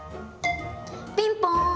ピンポン！